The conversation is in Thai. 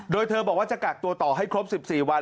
โดยเธอบอกว่าจะกักตัวต่อให้ครบ๑๔วัน